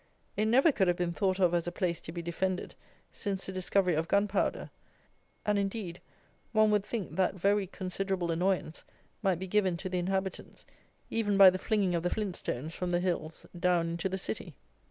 It never could have been thought of as a place to be defended since the discovery of gunpowder; and, indeed, one would think that very considerable annoyance might be given to the inhabitants even by the flinging of the flint stones from the hills down into the city.